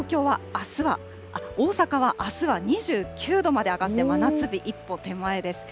大阪はあすは２９度まで上がって、真夏日一歩手前です。